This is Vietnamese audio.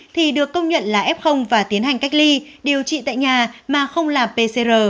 thì được công nhận là f và tiến hành cách ly điều trị tại nhà mà không là pcr